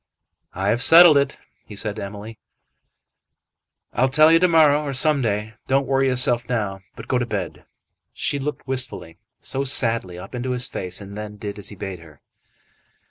"I have settled it," he said to Emily. "I'll tell you to morrow, or some day. Don't worry yourself now, but go to bed." She looked wistfully, so sadly, up into his face, and then did as he bade her.